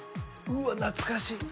うわっ懐かしい！